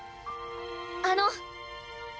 あの！